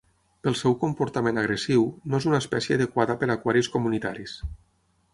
Pel seu comportament agressiu, no és una espècie adequada per a aquaris comunitaris.